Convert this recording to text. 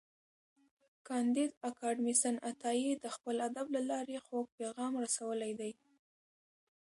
کانديد اکاډميسن عطایي د خپل ادب له لارې خوږ پیغام رسولی دی.